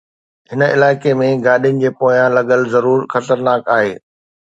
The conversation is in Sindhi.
هن علائقي ۾ گاڏين جي پويان لڳل ضرور خطرناڪ آهي